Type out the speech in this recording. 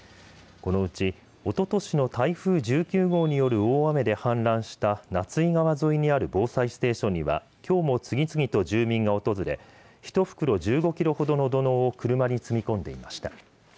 このうち、おととしの台風１９号による大雨で氾濫した夏井川沿いにある防災ステーションにはきょうも次々と住民が訪れ一袋１５キロほどの土のうを車に積み込んでいました。